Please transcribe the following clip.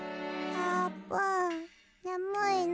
あーぷんねむいの？